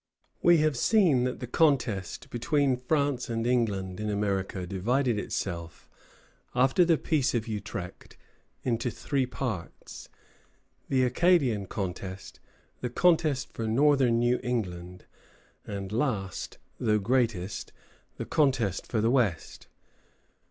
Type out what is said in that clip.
We have seen that the contest between France and England in America divided itself, after the Peace of Utrecht, into three parts, the Acadian contest; the contest for northern New England; and last, though greatest, the contest for the West.